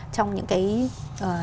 trong những cái